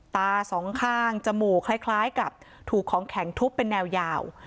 ตาสองข้างจมูกคล้ายกับถูกของแข็งทุบเป็นแนวยาว